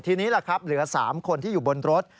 ทีนี้แหละครับเหลือ๓คนที่อยู่บนรถ